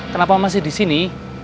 kenapa masih di sini